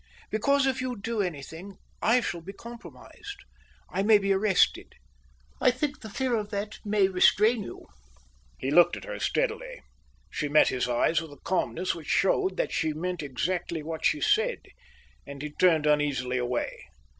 "Because if you do anything, I shall be compromised. I may be arrested. I think the fear of that may restrain you." He looked at her steadily. She met his eyes with a calmness which showed that she meant exactly what she said, and he turned uneasily away.